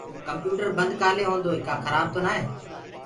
ڪمپيوٽر بند ڪآلي هوندوئي ڪآ خرآب تو نآ هي